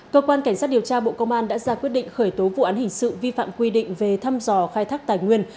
cơ quan cảnh sát điều tra bộ công an đã ra quyết định khởi tố vụ án hình sự vi phạm quy định về thăm dò khai thác tài nguyên